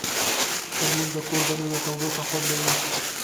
ترموز د کور دننه تودوخه خوندوي.